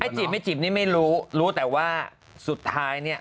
จีบไม่จีบนี่ไม่รู้รู้แต่ว่าสุดท้ายเนี่ย